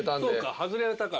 外れたから？